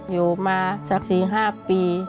อยู่มาสัก๔๕ปี